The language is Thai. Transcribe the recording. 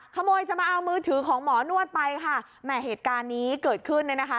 ขโมยจะมาเอามือถือของหมอนวดไปค่ะแหม่เหตุการณ์นี้เกิดขึ้นเนี่ยนะคะ